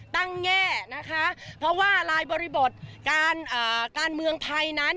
แง่นะคะเพราะว่ารายบริบทการเมืองไทยนั้น